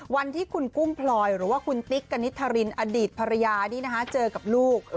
วันที่คุณกุ้งพลอยหรือว่าคุณติ๊กกณิตธรินอดีตภรรยานี่นะคะเจอกับลูก